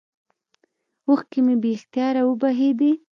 اوښكې مې بې اختياره وبهېدې.